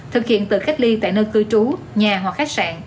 thực hiện tự cách ly tại nơi cư trú nhà hoặc khách sạn